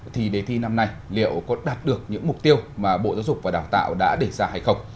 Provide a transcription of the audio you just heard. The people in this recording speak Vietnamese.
thì đề thi năm nay liệu có đạt được những mục tiêu mà bộ giáo dục và đào tạo đã đề ra hay không